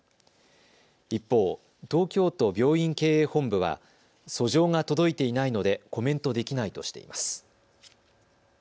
一方、東京都病院経営本部は訴状が届いていないのでコメントできないとしています。